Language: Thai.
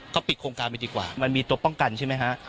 ก็ปิดโครงการไปดีกว่ามันมีตัวป้องกันใช่ไหมฮะ